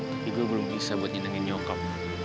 tapi gue belum bisa buat nyintengin nyokap